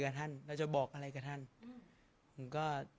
สงฆาตเจริญสงฆาตเจริญ